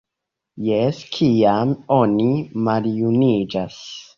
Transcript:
Jes, kiam oni maljuniĝas!